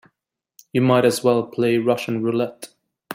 You might as well play Russian roulette.